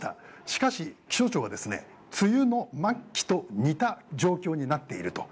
しかし気象庁は梅雨の末期と似た状況になっていると。